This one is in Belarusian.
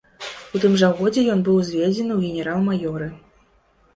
У тым жа годзе ён быў узведзены ў генерал-маёры.